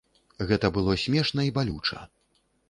Гэта было смешна і балюча.